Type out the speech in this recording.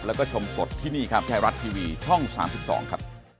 แล้วก็ชมสดที่นี่ครับไทยรัฐทีวีช่อง๓๒ครับ